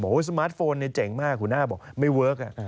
สมาร์ทโฟนเจ๋งมากหัวหน้าบอกไม่เวิร์ค